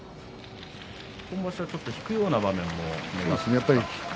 今場所は、ちょっと引くような場面もありました。